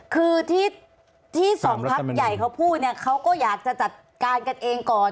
คือที่สองพักใหญ่เขาพูดเนี่ยเขาก็อยากจะจัดการกันเองก่อน